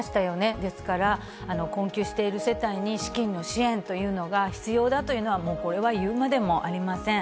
ですから、困窮している世帯に資金の支援というのが必要だというのはもうこれは言うまでありません。